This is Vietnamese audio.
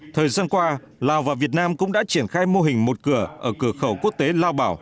thời gian qua lào và việt nam cũng đã triển khai mô hình một cửa ở cửa khẩu quốc tế lao bảo